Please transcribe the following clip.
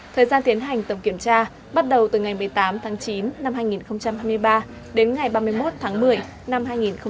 thời gian tiến hành tổng kiểm tra bắt đầu từ ngày một mươi tám tháng chín năm hai nghìn hai mươi ba đến ngày ba mươi một tháng một mươi năm hai nghìn hai mươi ba